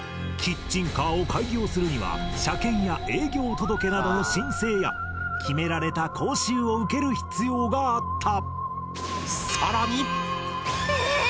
キッチンカーを開業するには車検や営業届などの申請や決められた講習を受ける必要があった！